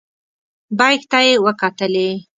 بیک ته یې وکتلې.